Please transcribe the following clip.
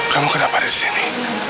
kamu kenapa disini